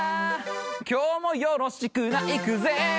「今日もよろしくないくぜ！」